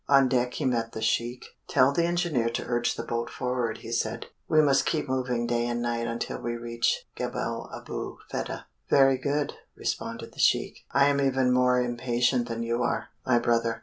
On deck he met the sheik. "Tell the engineer to urge the boat forward," he said; "we must keep moving day and night until we reach Gebel Abu Fedah." "Very good," responded the sheik. "I am even more impatient than you are, my brother.